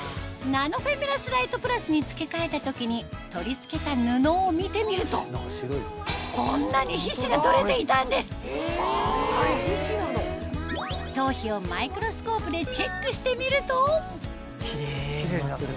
ナノフェミラスライトプラスに付け替えた時に取り付けた布を見てみるとこんなに皮脂が取れていたんですあれ皮脂なの⁉マイクロスコープでキレイになってる。